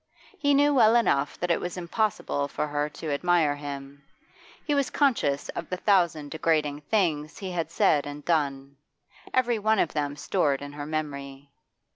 He knew well enough that it was impossible for her to: admire him; he was conscious of the thousand degrading things he had said and done, every one of them stored in her memory.